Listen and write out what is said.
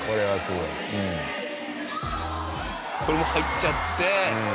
これも入っちゃって。